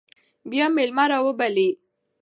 بیا میلمه راوبلئ.